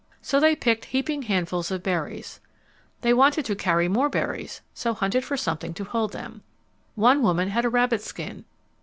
So they picked heaping handfuls of berries. They wanted to carry more berries, so hunted for something to hold them. One woman had a rabbit skin.